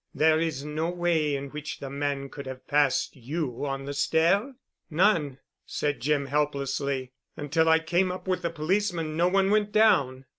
There is no way in which the man could have passed you on the stair?" "None," said Jim helplessly, "until I came up with the policeman no one went down."